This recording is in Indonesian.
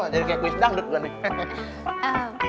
jadi kayak kuis dangdut gue nih